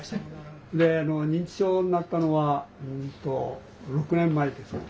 認知症になったのはうんと６年前ですか。